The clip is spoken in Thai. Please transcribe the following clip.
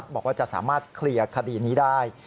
บอกว่าจะสามารถเคลียร์คดีนี้ได้